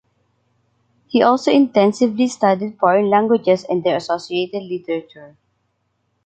He also intensively studied foreign languages and their associated literature.